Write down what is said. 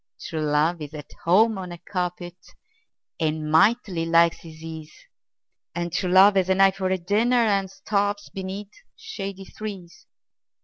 True love is at home on a carpet, And mightily likes his ease And true love has an eye for a dinner, And starves beneath shady trees.